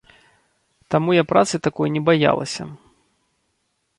Таму я працы такой не баялася.